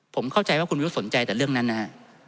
ผมเข้าใจว่าคุณวิวสนใจแต่เรื่องนั้นนะครับ